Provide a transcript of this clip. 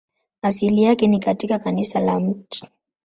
Asili yake ni katika kanisa la Mt.